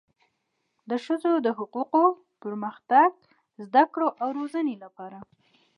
د ښځو د حقوقو، پرمختګ، زده کړو او روزنې لپاره